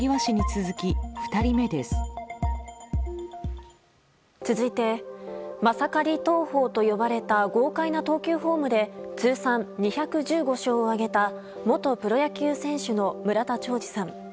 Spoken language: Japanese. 続いてマサカリ投法と呼ばれた豪快な投球フォームで通算２１５勝を挙げた元プロ野球選手の村田兆治さん。